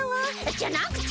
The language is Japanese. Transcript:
じゃなくて！